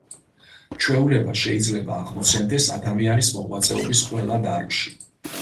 ჩვეულება შეიძლება აღმოცენდეს ადამიანის მოღვაწეობის ყველა დარგში.